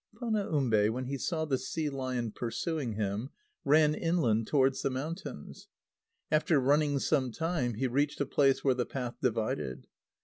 Panaumbe, when he saw the sea lion pursuing him, ran inland towards the mountains. After running some time, he reached a place where the path divided.